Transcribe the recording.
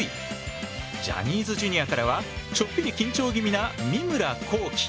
ジャニーズＪｒ．からはちょっぴり緊張気味な三村航輝。